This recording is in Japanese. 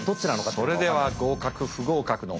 それでは合格不合格の発表